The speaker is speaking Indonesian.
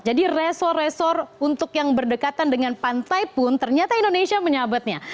jadi resor resor untuk yang berdekatan dengan pantai pun ternyata indonesia menyabatnya